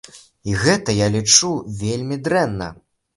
І гэта, я лічу, вельмі дрэнна.